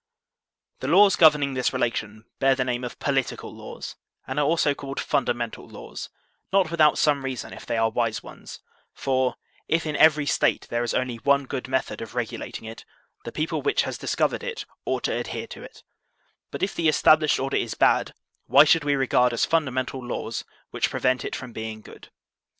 The laws governing this relation bear the name of po litical laws, and are also called fundamental laws, not without some reason if they are wise ones; for, if in every State there is only one good method of regulating it, the people which has discovered it ought to adhere to it; but if the established order is bad, why should we regard as fundamental laws which prevent it from being good